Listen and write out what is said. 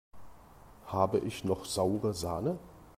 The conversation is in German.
Habe ich noch saure Sahne?